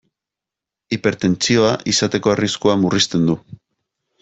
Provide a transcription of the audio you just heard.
Hipertentsioa izateko arriskua murrizten du.